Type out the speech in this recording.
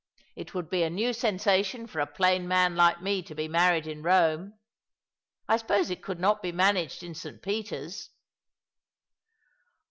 It would be a new sensation for a plain man like me to be married in Rome. I suppose it could not be managed in St. Peter's